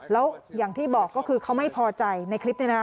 แล้วอย่างที่บอกก็คือเขาไม่พอใจในคลิปนี้นะ